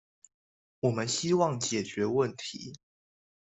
我們希望解決問題